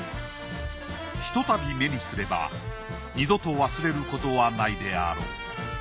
ひとたび目にすれば二度と忘れることはないであろう。